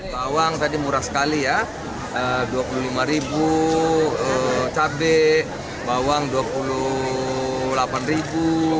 bawang tadi murah sekali ya rp dua puluh lima cabai bawang rp dua puluh delapan ribu